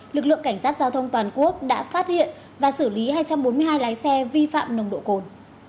lực lượng cảnh sát giao thông toàn quốc đã phát hiện và xử lý hai trăm bốn mươi hai lái xe vi phạm nồng độ cồn